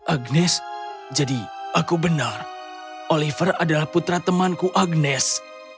agnes jadi aku benar oliver adalah putra temanku agnes